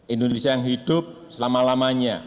indonesia yang hidup selama selama selama